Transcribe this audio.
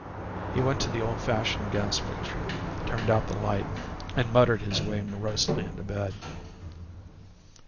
He went to the old fashioned gas fixture, turned out the light, and muttered his way morosely into bed.